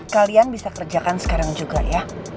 kalian bisa kerjakan sekarang juga ya